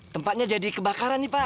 tempatnya jadi kebakaran nih pak